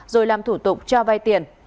rồi làm thủ tục cho vay tiền